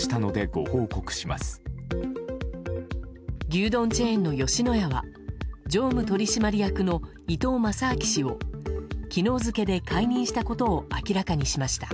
牛丼チェーンの吉野家は常務取締役の伊東正明氏を昨日付で解任したことを明らかにしました。